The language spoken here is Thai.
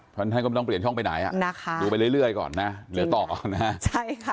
เพราะฉะนั้นไม่ต้องเปลี่ยนช่องไปไหนดูไปเรื่อยก่อนนะเหลือต่อใช่ค่ะ